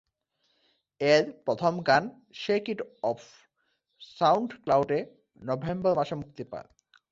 এর প্রথম গান "শেক ইট অফ" সাউন্ড ক্লাউডে নভেম্বর মাসে মুক্তি পায়।